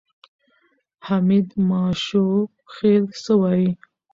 حمید ماشوخېل څه وایي؟